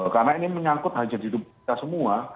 karena ini menyangkut hajat hidup kita semua